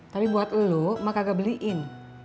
tapi buat lo mak kagak beliin